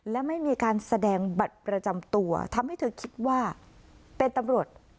และไม่มีการแสดงบัตรประจำตัวทำให้เธอคิดว่าเป็นตำรวจ